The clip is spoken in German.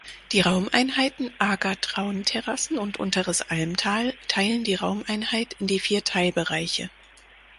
Die Raumeinheiten Ager-Traun-Terrassen und Unteres Almtal teilen die Raumeinheit in die vier Teilbereiche.